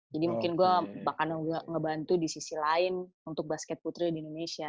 jadi mungkin gue bakal ngebantu di sisi lain untuk basket putri di indonesia